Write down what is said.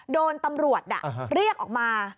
โดนตำรวจเรียกออกมา